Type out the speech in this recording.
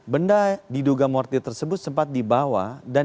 benda diduga mortir tersebut sempat dibawa dan dibuat